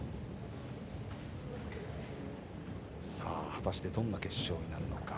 果たしてどんな決勝になるのか。